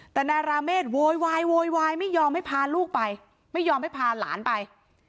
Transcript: แต่นายราเมฆโวยวายโวยวายไม่ยอมให้พาลูกไปไม่ยอมให้พาหลานไป